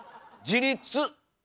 自立！